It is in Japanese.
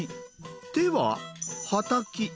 手ははたき。